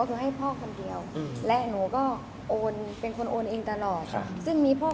เข้มมือที่เหมือนคุณพ่อเคยมาขอมันคือเคยเหมือนคุณพ่อเคยมาขอ